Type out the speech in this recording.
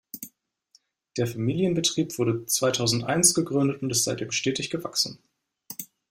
Der Familienbetrieb wurde zweitausendeins gegründet und ist seitdem stetig gewachsen.